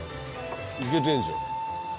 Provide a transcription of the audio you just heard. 行けてんじゃん。